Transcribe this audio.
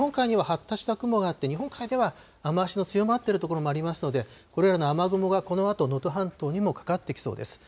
また、日本海には発達した雲があって、日本海では雨足の強まっている所もありますので、これらの雨雲がこのあと能登半島にもかかってきそうです。